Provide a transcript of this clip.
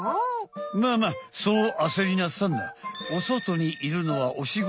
まあまあそうあせりなさんな。